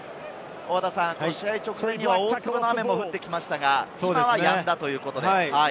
試合直前には大粒の雨も降ってきましたが、今はやんだということです。